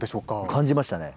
感じましたね。